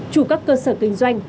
chủ các cơ sở kinh doanh